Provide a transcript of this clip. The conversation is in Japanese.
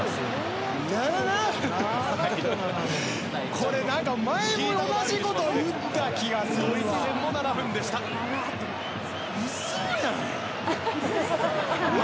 これ、前も同じこと言った気がするわ。